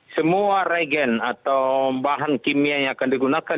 semua regen atau bahan kimia yang akan digunakan